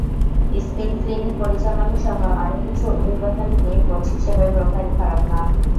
Spin clinic পরিচালনাসহ আরও কিছু অভিজ্ঞতা মিলিয়ে কোচ হিসেবে প্রোফাইল খারাপ না।